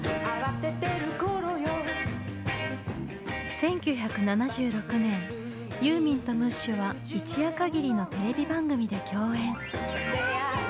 １９７６年ユーミンとムッシュは一夜かぎりのテレビ番組で共演。